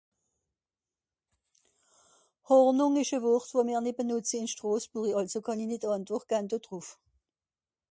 hòrnùng esch à wòrt wò mr nìt benùtze ìn stràsbùri àlso kànn'i nìt àntwòrt gahn dò drùff